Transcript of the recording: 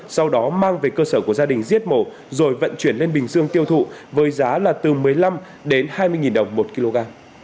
sau đó mang về cơ sở của gia đình giết mổ rồi vận chuyển lên bình dương tiêu thụ với giá là từ một mươi năm đến hai mươi đồng một kg